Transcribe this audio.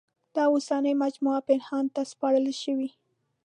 دا اوسنۍ مجموعه پنهان ته سپارل شوې.